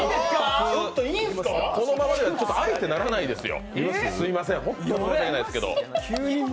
このままではあえてならないですよ。